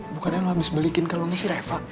bukannya lu abis belikin kelongnya si reva